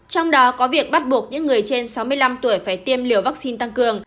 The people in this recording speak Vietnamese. trong đó có việc bắt buộc những người trên sáu mươi năm tuổi phải tiêm liều vaccine tăng cường